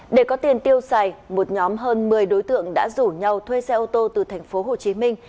để có tiền tiêu xài một nhóm hơn một mươi đối tượng đã rủ nhau thuê xe ô tô từ thành phố hồ chí minh